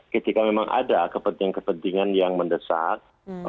ketika memang ada kepentingan kepentingan yang mendesak